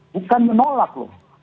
bukan menolak loh